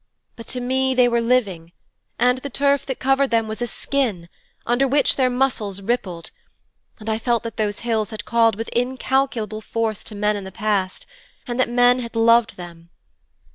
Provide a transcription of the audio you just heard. But to me they were living and the turf that covered them was a skin, under which their muscles rippled, and I felt that those hills had called with incalculable force to men in the past, and that men had loved them.